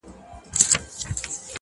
چي یې قبر د بابا ورته پېغور سو.!